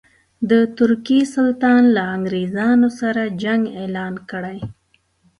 د ترکیې سلطان له انګرېزانو سره جنګ اعلان کړی.